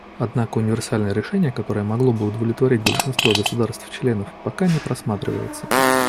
Однако универсальное решение, которое могло бы удовлетворить большинство государств- членов, пока не просматривается.